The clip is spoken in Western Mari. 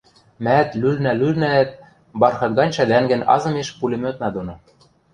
Мӓӓт, лӱлнӓ-лӱлнӓӓт, бархат гань шӓдӓнгӹн азымеш пулемётна доно